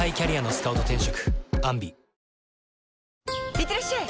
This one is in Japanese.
いってらっしゃい！